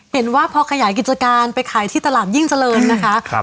เห็นว่าพอขยายกิจการไปขายที่ตลาดยิ่งเจริญนะคะ